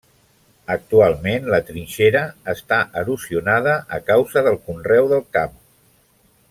Actualment la trinxera està erosionada a causa del conreu del camp.